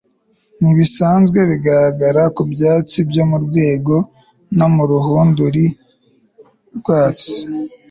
Ntibisanzwe bigaragara ku byatsi byo mu rwego no mu rushundura rwatsi